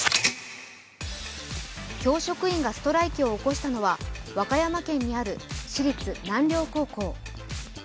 教職員がストライキを起こしたのは和歌山県にある市立南陵高校。